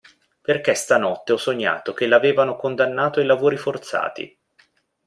Perché stanotte ho sognato che l'avevano condannato ai lavori forzati.